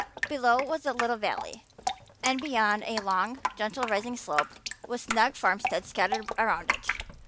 Below was a little valley and beyond a long, gently rising slope with snug farmsteads scattered along it.